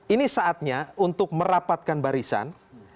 ini saatnya untuk merapatkan barisan